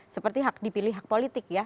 seperti hak dipilih hak politik ya